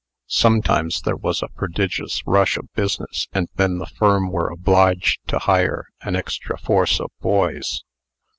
Sometimes there was a prodigious rush of business, and then the firm were obliged to hire an extra force of boys.